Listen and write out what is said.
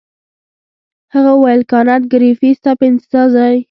هغه وویل کانت ګریفي ستا په انتظار دی.